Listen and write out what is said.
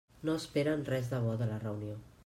No esperen res de bo de la reunió.